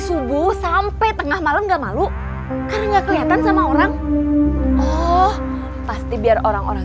subuh sampai tengah malam enggak malu karena kelihatan sama orang oh pasti biar orang orang